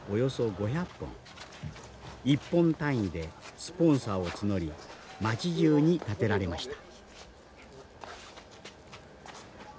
一本単位でスポンサーを募り町じゅうに立てられました。